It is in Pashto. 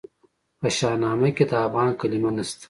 په شاهنامه کې د افغان کلمه نسته.